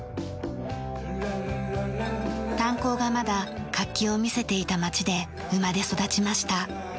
炭鉱がまだ活気を見せていた町で生まれ育ちました。